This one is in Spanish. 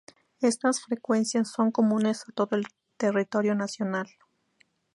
Estas frecuencias son comunes a todo el territorio nacional.